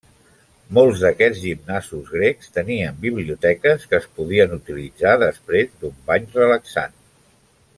Molts d'aquests gimnasos grecs tenien biblioteques que es podien utilitzar després d'un bany relaxant.